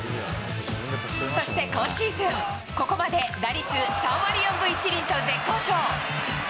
そして今シーズン、ここまで打率３割４分１厘と絶好調。